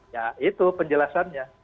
ya itu penjelasannya